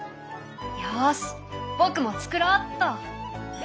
よし僕もつくろうっと。